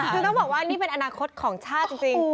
คือต้องบอกว่านี่เป็นอนาคตของชาติจริง